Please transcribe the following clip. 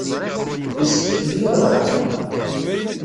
Yessefk fell-i ad ɣreɣ?